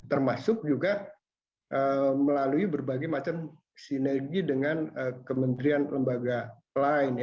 termasuk juga melalui berbagai macam sinergi dengan kementerian lembaga lain